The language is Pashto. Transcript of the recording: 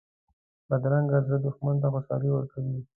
بدرنګه زړه دښمن ته خوشحالي ورکوي